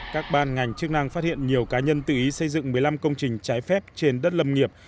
các ban ngành chức năng phát hiện nhiều cá nhân tự ý xây dựng một mươi năm công trình trái phép trên đất lâm nghiệp